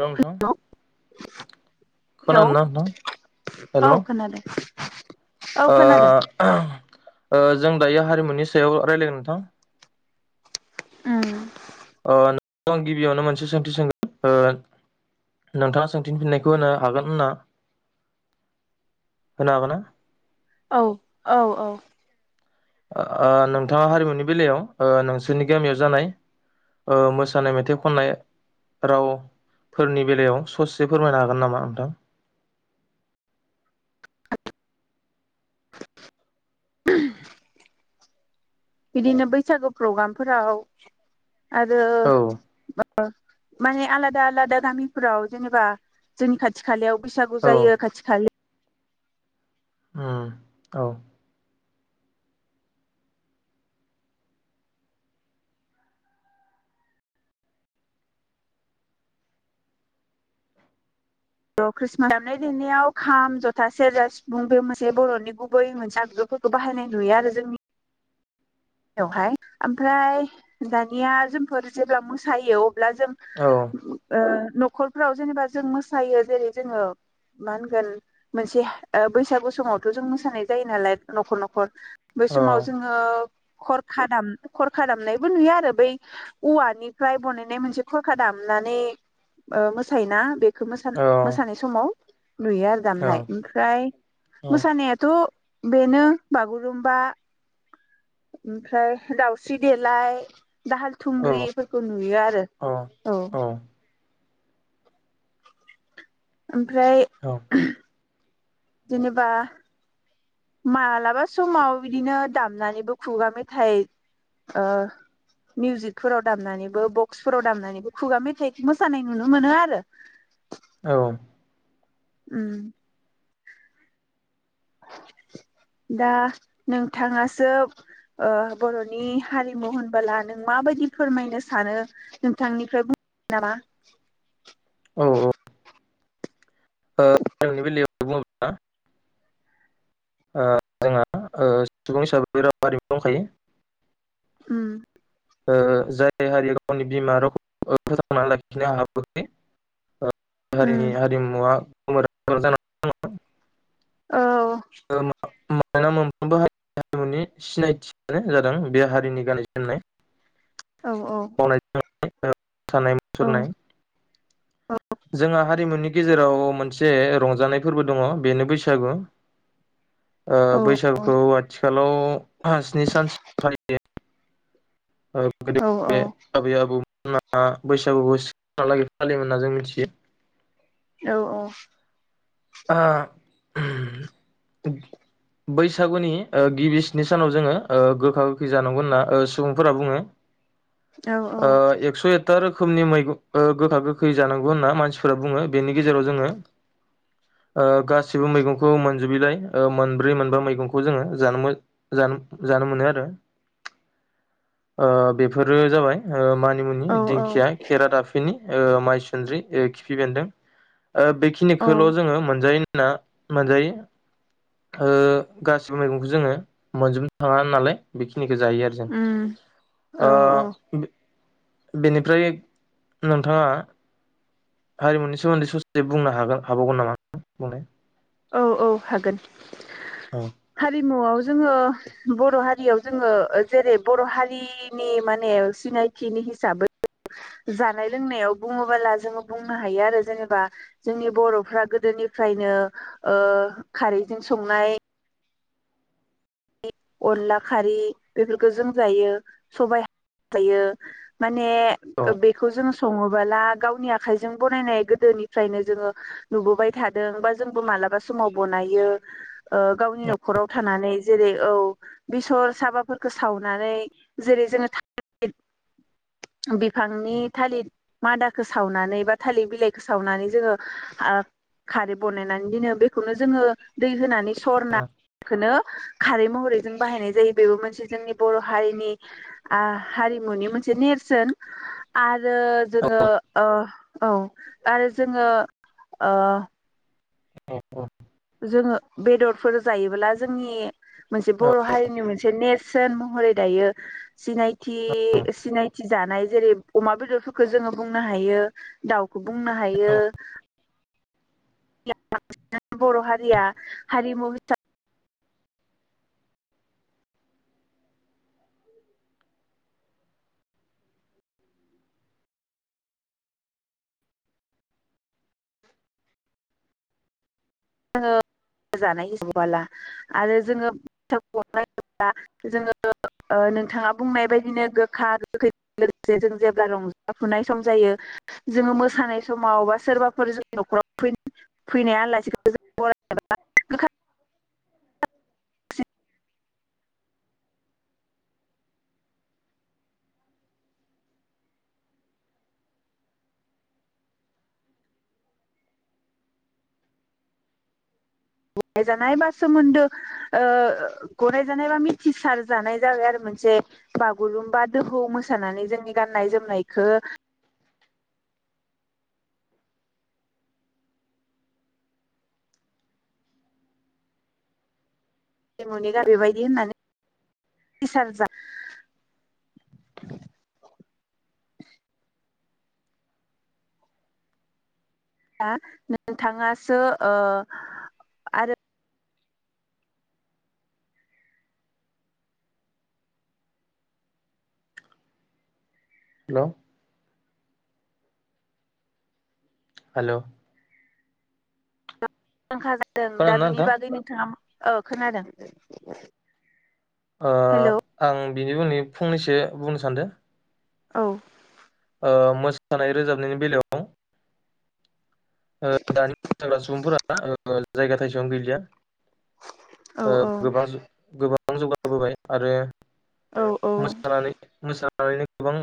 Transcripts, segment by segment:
हेल' नोंथां hello hello खोनादोंना नोंथां हेल' औ खोनादों। ओ ओ जों दायो हारिमुनि सायाव रायलायगोन नोंथां। उम। ओ नों [unintelligible] आं गिबियावनो मोनसे सोंथि सोंगोन नोंथाङा सोंथिनि फिननायखौ होनो हागोन होनना होनो हागोन ना? औ औ औ। ओ नोंथाङा हारिमुनि बेलायाव नोंसोरनि गामियाव जानाय मोसानाय मेथाइ खननाय रावफोरनि बेलायाव ससे फोरमायनो हागोन नामा नोंथां? [inaudible] बिदिनो बैसागु प्रग्रामफोराव आरो औ माने आलादा आलादा गामिफोराव जेनेबा जोंनि खाथि खालायाव बैसागु औ जायो खाथि खालि ओ औ र' खृषस्टमास दामनाय देनायाव खाम जथा सेरजा सिफुं बे मोनसे बर'नि गुबै मोनसे आगगुफोरखौ बाहायनाय नुयो आरो जोंनि यावहाय ओमफ्राय दानिया जोंफोर जेब्ला मोसायो अब्ला जों न'खरफ्राव जेनेबा जों मोसायो जेरै जोङो मा होनगोन मोनसे बैसागु समावथ' जों मोसानाय जायो नालाय न'खर न'खर बै औ समाव जोङो खरखा दाम खरखा दामनायबो नुयो आरो बै औवानिफ्राय बानायनाय मोनसे खरखा दामनानै मोसायोना बे बे औ मोसानाय समाव नुयो आरो औ दामनाय ओमफ्राय औ औ मोसानायाथ' बेनो बागुरुमबा ओमफ्राय दाउस्रि देलाय दाहाल थुंग्रिफोरखौ नुयो आरो औ ओमफ्राय औ जेनेबा मालाबा समाव बिदिनो दामनानैबो खुगा मेथाइ मिउजिकफोराव दामनानैबो बक्सफोराव दामनानैबो खुगा मेथाइखौ मोसानाय नुनो मोनो आरो औ उम दा नोंथाङासो बर'नि हारिमु होनबोला नों माबायदि फोरमायनो सानो नोंथांनिफ्राय बुं नामा औ औ आंनि बेलायाव बुङोब्ला ओ जोंहा सुबुं हिसाबै राव हारिमु दंखायो उम जाय हारिया गावनि बिमा रावखौ फोथांनानै लाखिनो हाबोखै उम हारिनि हारिमुवा [unintelligible] औ [unintelligible] [unintelligible] मोनफ्रोमबो हारिनि हारिमुनि सिनायथियानो जादों बे हारिनि गाननाय जोमनाय औ औ [unintelligible] मोसानाय औ मुसुरनाय बेनि गेजेराव मोनसे रंजानाय फोरबो दङ बेनो बैसागु औ औ बैसागुखौ आथिखाल हेल' स्नि सानसे फालि गोदो औ बे आबै आबौमोना बैसागु बैसागुबो सहा लागै फालियोमोन होनना जों मिथियो औ औ। ओ बैसागुनि ओ गिबि स्नि सानाव ओ गोखा गोखै जानांगौ होनना औ औ ओ एस' एकता रो खोमनि मैगं गोखा गोखै जानांगौ होनना मानसिफोरा बुङो बेनि गेजेराव जोङो ओ गासिबो मैगंखौ मोनजोबैलाय ओ मोनब्रै मोनबा मैगंखौ जोङो जानो जानो मोनो आरो ओ बेफोरो जाबाय ओ मानि औ मुंनि दिंखिया केरादाफिनि ओ माइ सुन्द्रि, खिफि बेन्दों ओ औ बेखिनिखौल' जोङो मोनजायो जोंना मोनजायो ओ गासिबो मैगंखौ जोङो मोनजोबनो थाङा नालाय बेखि निखौ जायो आरो जों उम औ ओ औ बेनिफ्राय नोंथाङा हारिमुनि सोमोन्दै ससे बुंनो हागोन हाबावगोन नामा बुंनाय औ औ हागोन औ हारि मुवाव जोङो बर' हारियाव जोङो जेरै बर' हारिनि माने सिनायथिनि हिसाबै जानाय लोंनायाव बुङोबोला जोङो बुंनो हायो आरो जेनेबा जोंनि बर'फ्रा गोदोनिफ्रायनो ओ खारैजों संनाय अनला खारि बेफोरखौ जों जायो सबाइ जायो मा माने औ बेखौ जों सङोबोला गावनि आखाइजों बनायनाय गोदोनिफ्रायनो जोङो नुबोबाय थादों बा जोंबो मालाबा समाव बनायो ओ गावनि न'खराव थानानै जेरै औ बेसर साबाफोरखौ सावनानै जेरै जोङो थालिर बिफांनि थालिर मादाखौ सावनानै बा थालिर बिलाइखौ सावनानै जोङो ओ खारै बानायनानै दोनो बेखौनो जोङो दै होनानै। सरना बेखोनो खारै महरै जों बाहायनाय जायो बेबो मोनसे जोंनि बर' हारिनि हारिमुनि मोनसे नेरसोन आ आरो जोङो ओ औ आरो जोङो ओ। औ। औ जोङो बेदरफोर जायोब्ला जोंनि मोनसे औ बर' हारिनि मोनसे नेर सोन महरै दायो। सिनायथि सिनायथि जानाय जेरै अमा बेदरफोरखौ जोङो बुंनो हायो दाउ खौ बुंनो हायो। [unintelligible] बर' हारिया हारिमु हिसाबै [unintelligible] [inaudible] जोङो जानाय [unintelligible] नोंथाङा बुंनाय बायदिनो गो खा [unintelligible] गोखैजों लोगोसे जों जेब्ला रंजाफुनाय सम जायो। जोङो मोसानाय समाव बा सोरबाफोर जोंनि न'खराव फोन फैनाया [unintelligible] गनायजानाय बा सोमोन्दो ओ गनायजानाय बा मिथिसार जानाय जाबाय आरो मोनसे बागुरुमबा दोहौ मोसानानै जोंनि गाननाय जोमनायखो हारिमुनि गा बेबायदि होननानै [unintelligible] ना नोंथाङासो ओ आरो हेलौ हेलौ मुंदांखा जादों दा खोनादोंना बिनि नोंथां बागै नोंथाङा औ खोनादों ओ हेलौ आं बिनि बुंनि फंनैसो बुंनो सानदों औ ओ मोसानाय रोजाबनायनि बेलायाव ओ दानि [unintelligible] सुबुंफोरा ओ जायगा थाइसेवानो गैलिया औ ओ औ गोबां जु गोबां बां जौगाबोबाय आरो औ मोसानानै मोसा [unintelligible] गोबां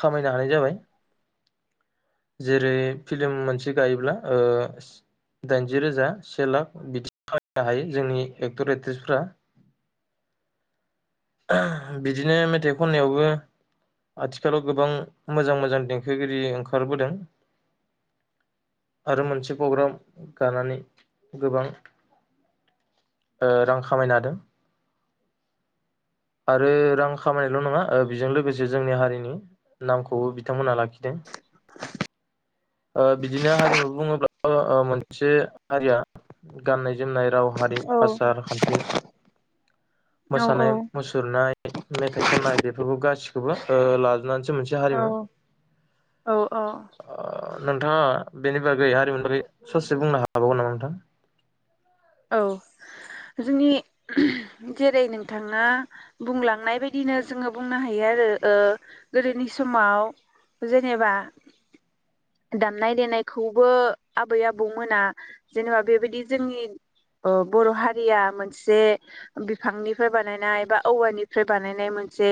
खामायनो हानाय जाबाय जेरै फिल्म मोनसे गायोब्ला ओ दाइनजि रोजा से लाख बिदि खामायनो हायो जोंनि एक्टर एक्ट्रिसफोरा बिदिनो मेथाइ खननायावबो आथिखालाव गोबां मोजां मोजां देंखोगिरि ओंखारबोदों आरो मोनसे प्रग्राम गानानै गोबां ओ रां खामायनो हादों आरो रां खामायनायल' नङा ओ बेजों लोगोसे जोंनि हारिनि नामखौबो बिथांमोनहा लाखिदों ओ बिदिनो हारिमु बुङोब्ला ओ ओ मोनसे हारिया गाननाय जोमनाय राव हारि औ आसार खान्थि मोसानाय औ नाय मेथाइ खननाय बेफोरबो गासिखौबो ओ लाजोबनानैसो मोनसे औ हारिमु औ औ ओ नोंथाङा बेनि बागै हारिमुनि बागै ससे बुंनो हाबावगोन नामा नोंथां औ जोंनि जेरै नोंथाङा बुंलांनाय बायदिनो जोङो बुंनो हायो आरो ओ गोदोनि समाव जेनेबा दामनाय देनायखौबो आबै आबौ मोना जेनेबा बेबायदि जोंनि औ बर' हारिया मोनसे बिफांनिफ्राय बानायनाय बा औवानिफ्राय बानायनाय मोनसे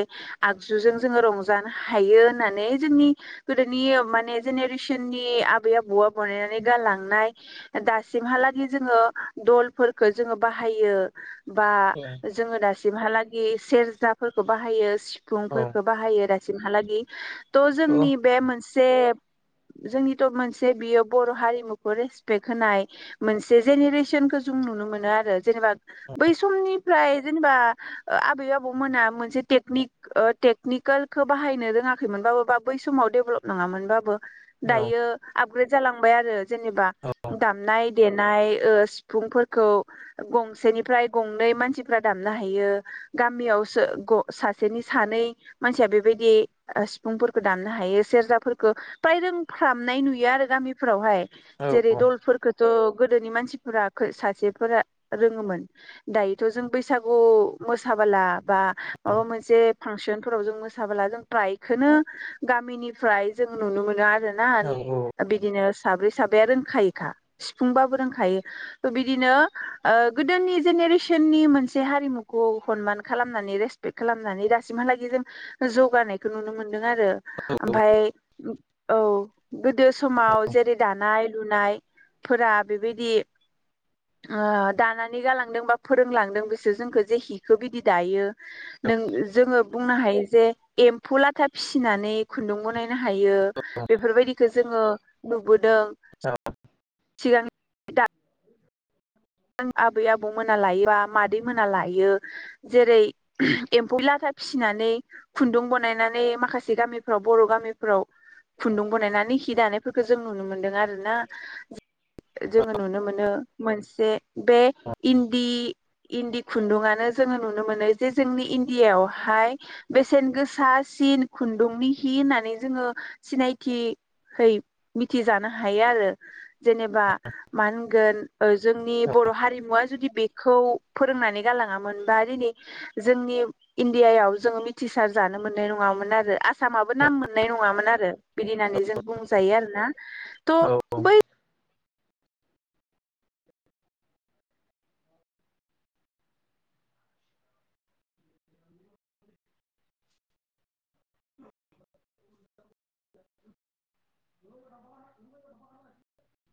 आगजुजों जोङो रंजानो हायो होननानै जोंनि गोदोनि माने जेनेरेसननि आबै आबौआ बानायनानै गालांनाय दासिमहालागै जोङो दलफोरखो जोङो बाहायो बा जोङो दासि सिमहालागै सेरजाफोरखौ बाहायो सि औ फुंफोरखौ बाहायो राय सिमहालागि थ' औ जोंनि बे मोनस सेब जोंनिथ' मोनसे बियो बर' हारिमुखौ रेसपेक होनाय मोनसे जेनेरेसन खो जों नुनो मोनो आरो जेनेबा बै समनिफ्राय जेनेबा आबै आबौमोना मोनसे टेकनिक टेकनिकेलखौ बाहायनो रोङाखैमोनबाबो बा बै समाव डेभलप नङामोनबाबो दायो आ आबग्रेड जालांबाय आरो जेनेबा दामनाय देनाय ओ सिफुंफोरखौ गंसेनिफ्राय गंनै मानसिफ्रा दामनो हायो गामियावसो ओ ग सासेनि सानै मानसिया बेबायदि सिफुंफोरखौ दामनो हायो सेरजाफोरखो फ्राय रोंफ्रामनाय नुयो आरो गामिफोरावहाय औ जेरै दलफोरखो थ' गोदोनि मानसिफोरा सासेफोरा रोङोमोन दायोथ' जों बैसागु मोसाबोला बा माबा मोनसे फांसनफोराव जों मोसाबोला जों फ्रायखोनो गामिनिफ्राय जों नुनो मोनो आरो आरोना बिदिनो साब्रै साबाया रोंखायोखा सिफुंबाबो रोंखायो बिदिनो ओ गोदोनि जेनेरेसननि मोनसे हारिमुखौ हनमान खालामनानै रेसपेक्ट खालामनानै दासिमहालागै जों जौगानायखो नुनो मोनदों। आरो ओमफाय औ गोदो समाव जेरै दानाय लुनायफोरा बेबायदि ओ दानानै गालांदों बा फोरोंलांदों बिसोर जोंखौ जे हिखौ बिदि दायो नों जोङो बुंनो हायो जे एमफुलाथा फिसिनानै खुन्दुं बनायनो हायो बेफोरबायदिखौ जोङो नुबोदों। सिगां दा आंनि आबै आबौ मोना लायो बा मादै मोना लायो जेरै एम्फौ लाथा फिसिनानै खुन्दुं बनायनानै बे माखासे गामिफ्राव बर' गामिफ्राव खुन्दुं बनायनानै हि दानायफोरखो जों नुनो मोनदों आरो ना जोङो नुनो मोनो मोनसे बे इन्दि इन्दि खुन्दुङानो जोङो नुनो मोनो जे जोंनि इन्डियायावहाय बेसेन गोसा सिन खुन्दुंनि हि होननानै जोङो सिनायथिहै मिथिजानो हायो आरो जेनेबा मा होनगोन ओ जोंनि बर' हारिमुवा जुदि बेखौ फोरोंनानै गालाङामोन बा दिनै जोंनि इण्डियायाव जोङो मिथिसार जानो मोननाय नङामोन आरो आसा आसामाबो नाम मोननाय नङामोन आरो बिदि होननानै जों बुंजायो आरोना थ' औ औ बै [inaudible] [unintelligible]